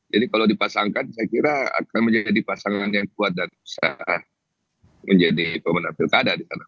jadi kalau dipasangkan saya kira akan menjadi pasangan yang kuat dan bisa menjadi pemenang pilkada di sana